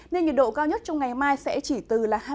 nên nhiệt độ cao nhất trong ngày mai sẽ chỉ từ hai mươi